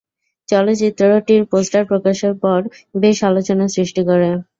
চলচ্চিত্রটির পোস্টার প্রকাশের পর বেশ আলোচনার সৃষ্টি করে।